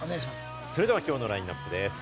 それでは今日のラインナップです。